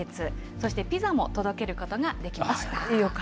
そしてピザも届けることができました。